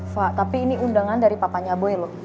pak tapi ini undangan dari papanya boy loh